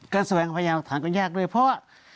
แสวงพยายามหลักฐานก็ยากด้วยเพราะว่า